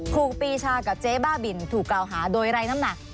ครูปีชากับเจ๊บ้าบินถูกกล่าวหาโดยไร้น้ำหนัก